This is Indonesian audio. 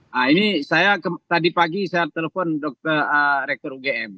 nah ini tadi pagi saya telpon dokter rektor ugm